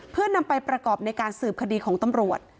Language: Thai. เพื่อนำไปประกอบในการสืบคดีของตำรวจ